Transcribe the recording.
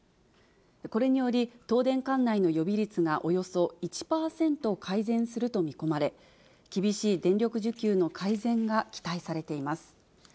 これにより、東電管内の予備率がおよそ１％改善すると見込まれ、厳しい電力需給の改善が期待されています。